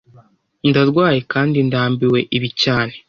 Ndarwaye kandi ndambiwe ibi cyane